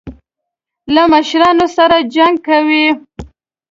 له مشرانو سره جنګ کوي.